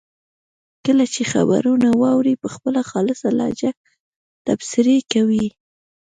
کله چې خبرونه واوري په خپله خالصه لهجه تبصرې کوي.